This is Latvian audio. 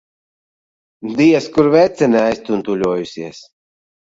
Diez kur vecene aiztuntuļojusies.